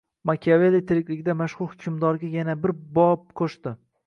Machiavelli tirikligida mashhur "Hukmdor" ga yana bir bob qo'shdi